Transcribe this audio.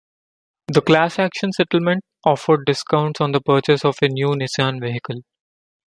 The class-action settlement offered discounts on the purchase of a new Nissan vehicle.